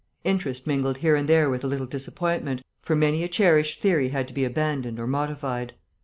Interest mingled here and there with a little disappointment, for many a cherished theory had to be abandoned or modified.